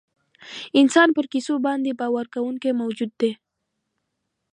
انسان پر کیسو باندې باور کوونکی موجود دی.